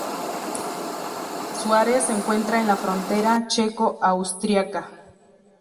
Su área se encuentra en la frontera checo-austríaca.